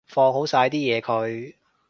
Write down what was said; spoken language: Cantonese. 放好晒啲嘢佢